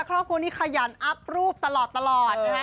ครอบครัวนี้ขยันอัพรูปตลอดนะฮะ